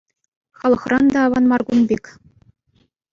Халӑхран та аван мар кун пек.